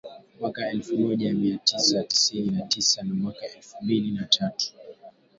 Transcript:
mwaka elfu moja mia tisa tisini na tisa na mwaka elfu mbili na tatu